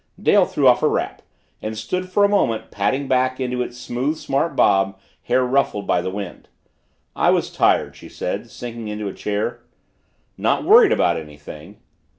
Dale threw off her wrap and stood for a moment patting back into its smooth, smart bob, hair ruffled by the wind. "I was tired," she said, sinking into a chair. "Not worried about anything?"